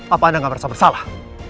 apa anda gak merasa bersalah